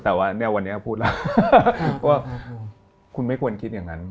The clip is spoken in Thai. แต่ว่าเนี่ยวันนี้พูดแล้วว่าคุณไม่ควรคิดอย่างนั้น